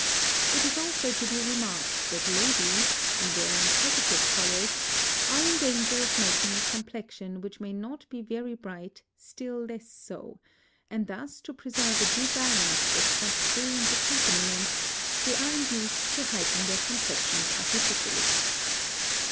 It is also to be remarked that ladies, in wearing positive colours, are in danger of making a complexion which may not be very bright still less so, and thus to preserve a due balance with such brilliant accompaniments, they are induced to heighten their complexions artificially.